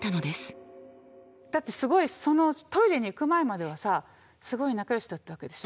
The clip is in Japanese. だってすごいそのトイレに行く前まではさすごい仲良しだったわけでしょ？